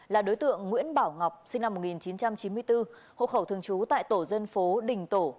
là đối tượng nguyễn bảo ngọc sinh năm một nghìn chín trăm chín mươi bốn hộ khẩu thường trú tại tổ dân phố đình tổ